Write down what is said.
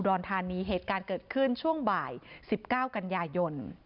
อนธานีเหตุการณ์เกิดขึ้นช่วงบ่าย๑๙กันยายน